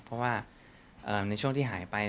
เพราะว่าในช่วงที่หายไป